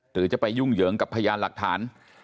หรือจะไปยุ่งเหยิงกับพยานหลักฐาน